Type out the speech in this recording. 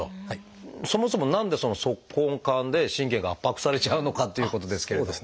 そもそも何でその足根管で神経が圧迫されちゃうのかっていうことですけれど。